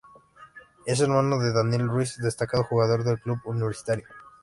Es hermano de Daniel Ruiz destacado jugador del club Universitario.